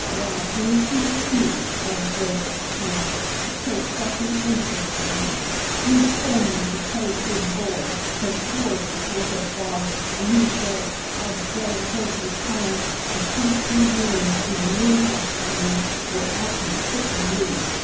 " Why, ain't he cute," observed Hank, " to take such an interest in you !"" He tole me to pay good board, 'cause boarders was a bother, an' he said I'd better hev you plan a tasty room in the new house for me where I kin set an' read."